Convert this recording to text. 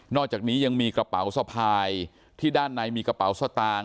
อกจากนี้ยังมีกระเป๋าสะพายที่ด้านในมีกระเป๋าสตางค์